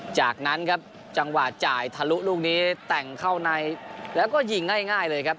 จากนั้นครับจังหวะจ่ายทะลุลูกนี้แต่งเข้าในแล้วก็ยิงง่ายเลยครับ